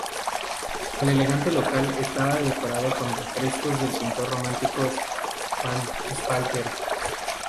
El elegante local estaba decorado con frescos del pintor romántico Espalter.